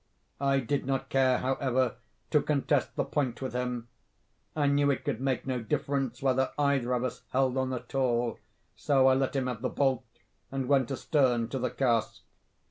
I did not care, however, to contest the point with him. I knew it could make no difference whether either of us held on at all; so I let him have the bolt, and went astern to the cask.